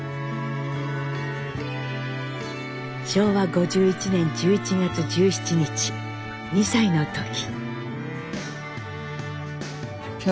昭和５１年１１月１７日２歳の時。